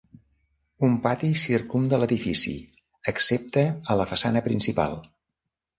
Un pati circumda l'edifici excepte a la façana principal.